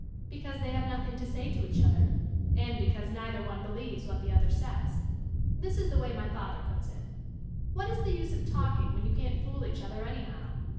VBecause they have nothing to say to each other, and because neither one believes what the other says. This is the way my father puts it: ''What is the use of talk ing, when you can't fool each other anyhow?